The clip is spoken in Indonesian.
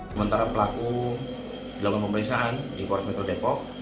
sementara pelaku dilakukan pemeriksaan di polres metro depok